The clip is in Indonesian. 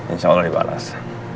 insya allah dibalas